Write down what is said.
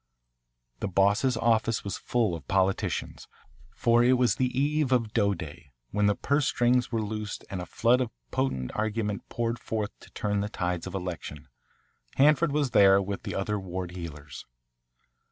The Boss's office was full of politicians, for it was the eve of "dough day," when the purse strings were loosed and a flood of potent argument poured forth to turn the tide of election. Hanford was there with the other ward heelers.